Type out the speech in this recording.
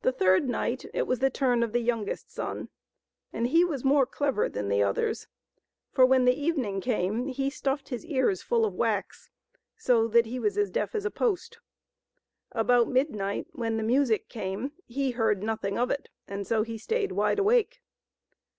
The third night it was the turn of the youngest son, and he was more clever than the others, for, when the evening came, he stuffed his ears full of wax, so that he was as deaf as a post. About midnight, when the music came, he heard nothing of it, and so he stayed wide awake.